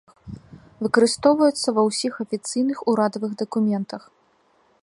Выкарыстоўваецца ва ўсіх афіцыйных урадавых дакументах.